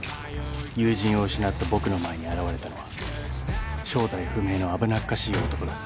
［友人を失った僕の前に現れたのは正体不明の危なっかしい男だった］